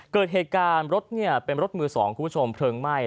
เกิดเหตุการณ์รถเป็นมือ๒เพลงไหม้